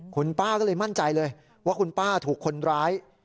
คุณป้าก็เลยมั่นใจเลยว่าคุณป้าถูกคนร้าย